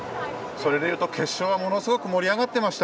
それで言うと、決勝はすごく盛り上がっていました。